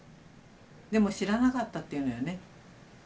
でも知らなかったっていうのよね。